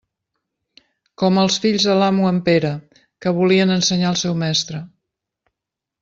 Com els fills de l'amo en Pere, que volien ensenyar el seu mestre.